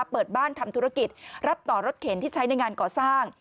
เปิดบ้านทำธุรกิจรับต่อรถเข็นที่ใช้ในงานก่อสร้าง